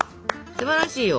すばらしいよ。